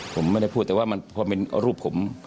ผมไม่ได้พูดแต่ว่ามันพอเป็นรูปผม